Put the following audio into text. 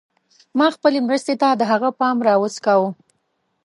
ما خپلې مرستې ته د هغه پام راوڅکاوه.